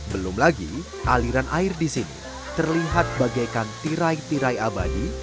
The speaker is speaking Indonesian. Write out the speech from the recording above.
belum lagi aliran air di sini terlihat bagaikan tirai tirai abadi